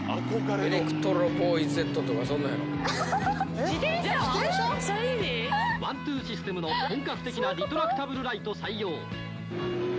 エレクトロボーイＺとか、ワンツーシステムの本格的なリトラクタブルライト採用。